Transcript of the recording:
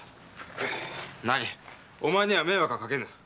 なにお前には迷惑はかけぬ。